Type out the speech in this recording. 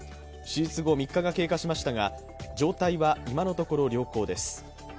手術後３日が経過しましたが状態は今のところ良好です。